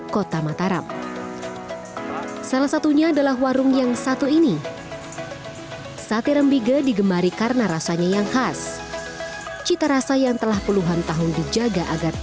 bisa menikmatinya dengan lontong dan sayuran seperti urap serta pelecing kangkung